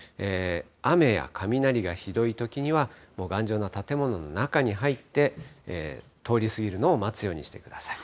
雨や雷がひどいときには、頑丈な建物の中に入って、通り過ぎるのを待つようにしてください。